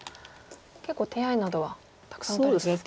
結構手合などはたくさん打たれてますか？